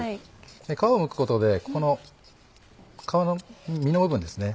皮をむくことでここの実の部分ですね